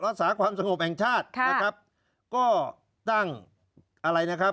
รักษาความสงบแห่งชาตินะครับก็ตั้งอะไรนะครับ